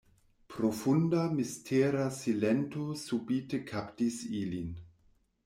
Profunda, mistera silento subite kaptis ilin.